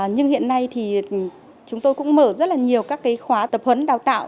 nhưng hiện nay thì chúng tôi cũng mở rất là nhiều các cái khóa tập huấn đào tạo